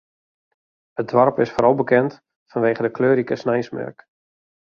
It doarp is foaral bekend fanwege de kleurrike sneinsmerk.